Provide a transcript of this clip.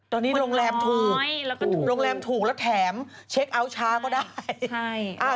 ตอนนี้โรงแรมถูกโรงแรมถูกแล้วแถมเช็คเอาท์ช้าก็ได้ใช่